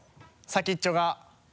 先っちょが。